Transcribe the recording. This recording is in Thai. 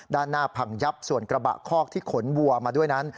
ด้านหน้าพังยับส่วนกระบะคอกที่ขนวัวมาด้วยนั้น